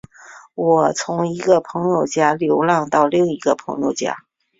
我从一个朋友家流浪到另一个朋友家。